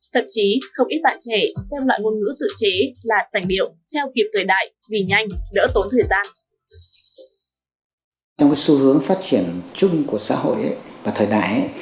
thậm chí không ít bạn trẻ xem loại ngôn ngữ tự chế này